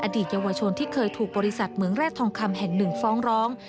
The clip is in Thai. เยาวชนที่เคยถูกบริษัทเหมืองแร่ทองคำแห่งหนึ่งฟ้องร้อง